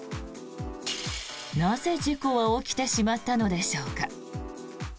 なぜ、事故は起きてしまったのでしょうか。